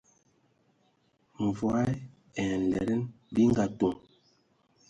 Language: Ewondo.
Mvɔ ai nlɛdɛn bi ngatoŋ.